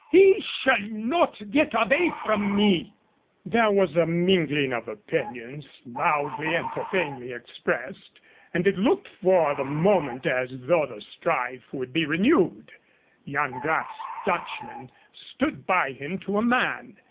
"He shall not get avay from me!" There was a mingling of opinions, loudly and profanely expressed, and it looked for the moment as though the strife would be renewed. Yan Gratz's Dutchmen stood by him to a man.